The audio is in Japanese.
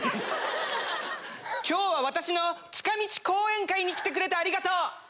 今日は私の近道講演会に来てくれてありがとう！